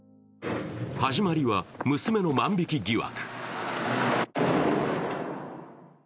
始まりは娘の万引き疑惑。